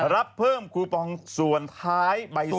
รับเพิ่มคูปองส่วนท้ายใบ